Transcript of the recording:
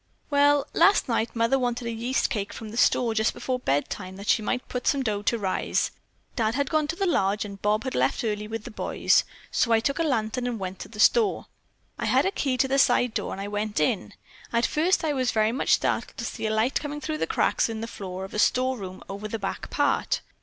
"Well, last night Mother wanted a yeast cake from the store just before bedtime that she might put some dough to rise. Dad had gone to lodge and Bob had left early with the boys, so I took a lantern and went to the store. I had a key to the side door and I went in. At first I was very much startled to see a light coming through cracks in the floor of a storeroom over the back part.